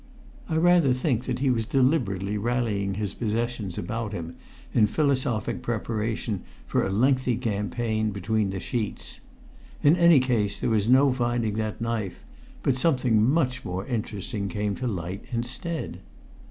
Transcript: I rather think that he was deliberately rallying his possessions about him in philosophic preparation for a lengthy campaign between the sheets. In any case there was no finding that knife, but something much more interesting came to light instead.